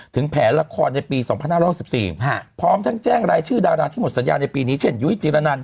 ถึงแผนละครในปี๒๕๖๔พร้อมทั้งแจ้งรายชื่อดาราที่หมดสัญญาในปีนี้เช่นยุ้ยจิรนัน